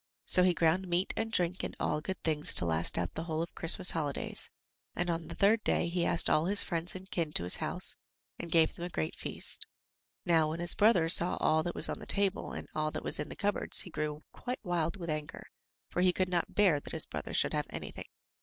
So he ground meat and drink and all good things to last out the whole of Christmas holidays, and on the third day he asked all his friends and kin to his house and gave them a great feast. Now, when his rich brother saw all that was on the table and all that was in the cupboards, he grew quite wild with anger, for he could not bear that his brother should have anything.